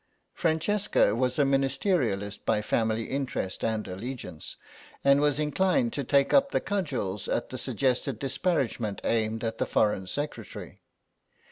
Francesca was a Ministerialist by family interest and allegiance, and was inclined to take up the cudgels at the suggested disparagement aimed at the Foreign Secretary.